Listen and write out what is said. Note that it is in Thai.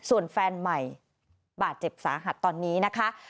ส่วนแฟนใหม่บาดเจ็บสาหัสตอนนี้นะคะ